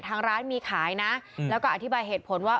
ทางร้านมีขายนะแล้วก็อธิบายเหตุผลว่า